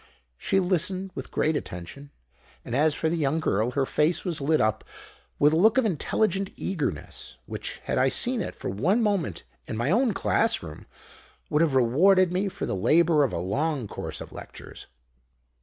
She listened with great attention; and as for the young girl, her face was lit up with a look of intelligent eagerness which, had I seen it for one moment in my own class room, would have rewarded me for the labour of a long course of lectures.